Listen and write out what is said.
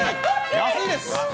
安いです。